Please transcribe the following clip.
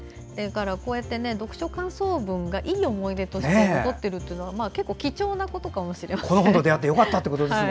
こうやって読書感想文がいい思い出として残っているのは貴重なことかもしれませんね。